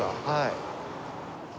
はい。